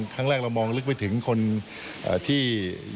ครั้งแรกเรามองลึกไปถึงคนที่